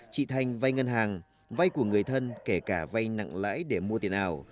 chị thanh vay ngân hàng vay của người thân kể cả vay nặng lãi để mua tiền ảo